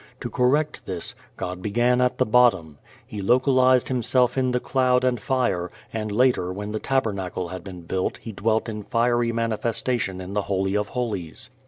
To correct this, God began at the bottom. He localized Himself in the cloud and fire and later when the tabernacle had been built He dwelt in fiery manifestation in the Holy of Holies.